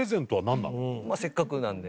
せっかくなんで。